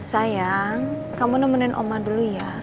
sayang kamu nemenin oma dulu ya